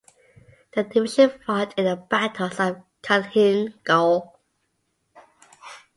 The division fought in the Battles of Khalkhin Gol.